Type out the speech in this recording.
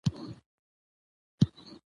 سفر انسان ته د نوو ځایونو پېژندنه ورکوي